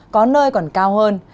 có nơi còn cao hơn